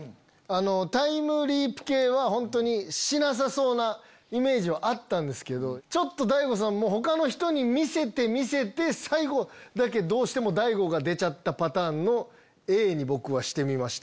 タイムリープ系はしなさそうなイメージはあったんですけどちょっと大悟さんも他の人に見せて見せて最後だけどうしても大悟が出ちゃったパターンのＡに僕はしてみました。